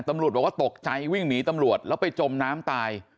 ตำรวจบอกว่าตกใจวิ่งหนีตำรวจแล้วไปจมน้ำตาย